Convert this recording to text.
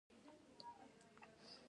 مخالفت د ژبې ځواک کموي.